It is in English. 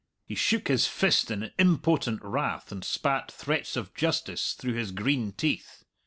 He shook his fist in impotent wrath, and spat threats of justice through his green teeth.